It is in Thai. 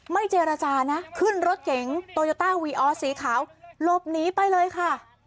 เจรจานะขึ้นรถเก๋งโตโยต้าวีออสสีขาวหลบหนีไปเลยค่ะ